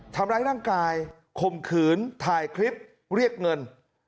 ทำร้ายร่างกายข่มขืนถ่ายคลิปเรียกเงิน